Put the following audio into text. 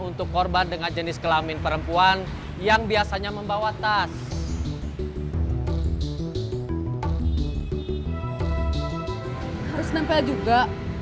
untuk korban dengan jenis kelamin perempuan yang biasanya membawa tas harus nempel juga